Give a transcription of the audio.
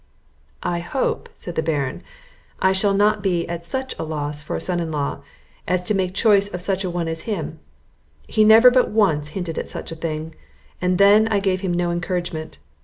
"I hope," said the Baron, "I shall not be at such a loss for a son in law, as to make choice of such a one as him; he never but once hinted at such a thing, and then I gave him no encouragement.